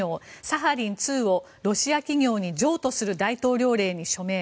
サハリン２をロシア企業に譲渡する大統領令に署名。